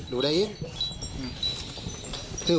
ถ้าหนูทำแบบนั้นพ่อจะไม่มีรับบายเจ้าให้หนูได้เอง